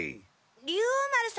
竜王丸さん